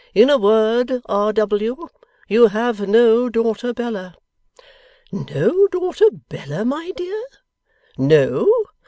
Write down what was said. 'In a word, R. W., you have no daughter Bella.' 'No daughter Bella, my dear?' 'No.